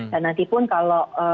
dan nanti pun kalau